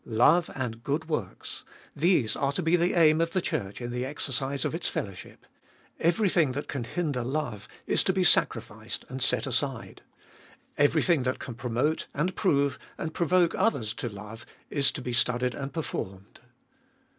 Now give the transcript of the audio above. Love and good works: These are to be the aim of the Church in the exercise of its fellowship. Everything that can hinder love is to be sacrificed and set aside. Everything Ibolfest ot 2UI 395 that can promote, and prove, and provoke others to, love is to be studied and performed.